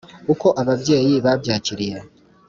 uko ababyeyi babyakiriye